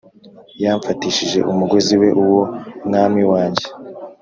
Yamfatishije umugozi we uwo mwami wanjye